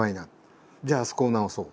じゃああそこを直そう